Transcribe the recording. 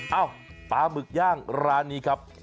เอ้าปลาหมึกย่างร้านนี้ครับ